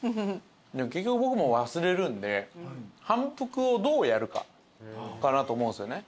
結局僕も忘れるんで反復をどうやるかかなと思うんすよね。